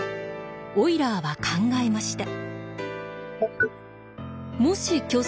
オイラーは考えました。